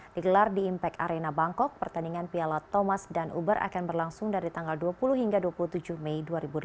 digelar di impact arena bangkok pertandingan piala thomas dan uber akan berlangsung dari tanggal dua puluh hingga dua puluh tujuh mei dua ribu delapan belas